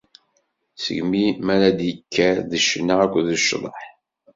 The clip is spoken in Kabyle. Seg mi ara ad d-ikker d ccna akked cḍeḥ.